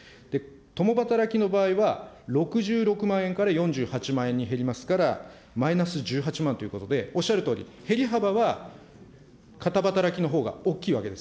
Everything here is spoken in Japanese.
共働きの場合は、６６万円から４８万円に減りますから、マイナス１８万ということで、おっしゃるとおり、減り幅は片働きのほうが大きいわけです。